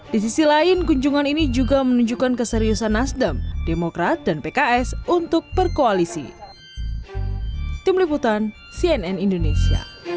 di sisi lain kunjungan ini juga menunjukkan keseriusan nasdem demokrat dan pks untuk berkoalisi